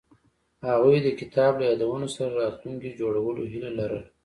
هغوی د کتاب له یادونو سره راتلونکی جوړولو هیله لرله.